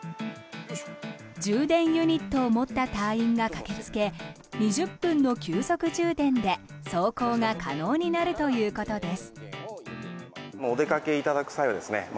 充電ユニットを持った隊員が駆けつけ２０分の急速充電で走行が可能になるということです。